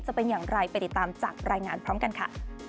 จะเป็นอย่างไรไปติดตามจากรายงานพร้อมกันค่ะ